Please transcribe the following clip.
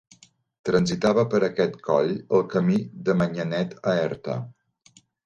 Transitava per aquest coll el camí de Manyanet a Erta.